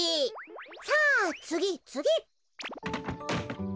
さあつぎつぎ！